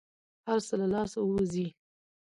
هر څه له لاسه ووزي.